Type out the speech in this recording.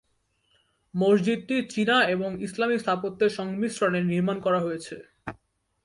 মসজিদটি চীনা এবং ইসলামী স্থাপত্যের সংমিশ্রণে নির্মাণ করা হয়েছে।